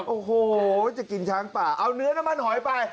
โอ้โหจะกินช้างป่าเอาเนื้อน้ำมันหอยไป